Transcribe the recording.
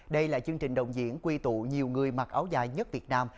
đây là chương trình đồng diễn quy tụ nhiều người mặc áo dài nhất việt nam